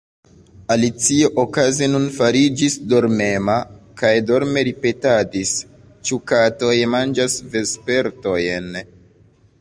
Alicio okaze nun fariĝis dormema, kaj dorme ripetadis:—"Ĉu katoj manĝas vespertojn? »